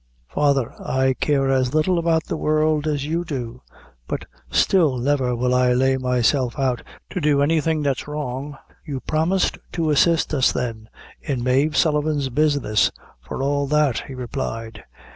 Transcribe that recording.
"Father, I care as little about the world as you do; but still never will I lay myself out to do anything that's wrong." "You promised to assist us then in Mave Sullivan's business, for all that," he replied.